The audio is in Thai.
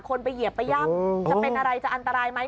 คนไปเหยียบไปย่ำจะเป็นอะไรจะอันตรายไหม